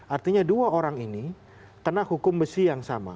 artinya dua orang ini kena hukum besi yang sama